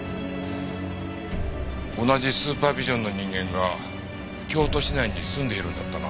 同じスーパービジョンの人間が京都市内に住んでいるんだったな。